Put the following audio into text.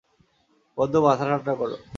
বন্ধু, মাথা ঠান্ডা করো।